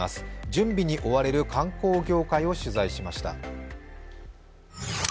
準備に追われる観光業界を取材しました。